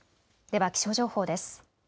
では気象情報です。